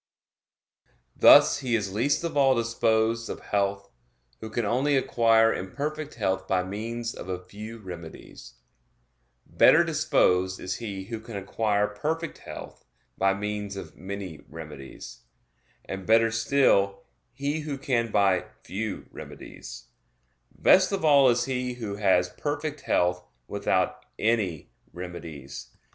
Thus he is least of all disposed of health, who can only acquire imperfect health by means of a few remedies; better disposed is he who can acquire perfect health by means of many remedies; and better still, he who can by few remedies; best of all is he who has perfect health without any remedies.